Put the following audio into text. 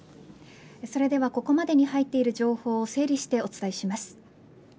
それではここまでに入っている情報を整理してお伝えします。